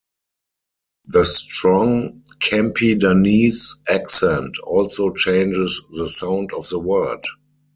The strong Campidanese accent also changes the sound of the word.